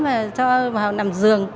và cho vào nằm giường